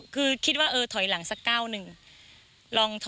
คือคิดว่าเออถอยหลังสักก้าวหนึ่ง